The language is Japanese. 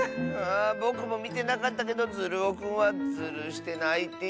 ぼくもみてなかったけどズルオくんはズルしてないっていうし。